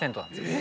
え！